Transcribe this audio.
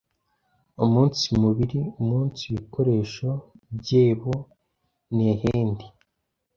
umunsi mubiri umunsi bikoresho byebo n’ehendi.